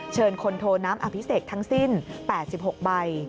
คนโทน้ำอภิเษกทั้งสิ้น๘๖ใบ